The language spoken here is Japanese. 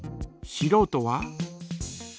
しろうとは？